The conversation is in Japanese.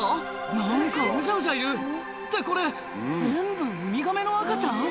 何かうじゃうじゃいるってこれ全部ウミガメの赤ちゃん？